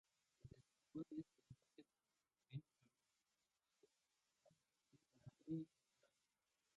The school is located in the northeast of the Taipei Basin.